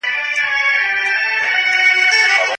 موږ د ادبیاتو په اړه بحث کوو.